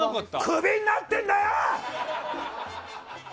クビになってんだよ！